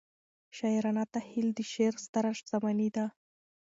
شاعرانه تخیل د شعر ستره شتمنۍ ده.